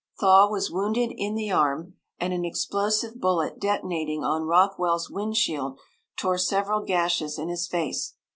Thaw was wounded in the arm, and an explosive bullet detonating on Rockwell's wind shield tore several gashes in his face.